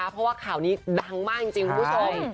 เพราะว่าข่าวนี้ดังมากจริงคุณผู้ชม